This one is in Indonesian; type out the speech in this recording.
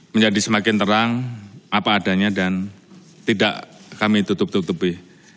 menjadi semakin terang apa adanya dan tidak kami tutup tutupi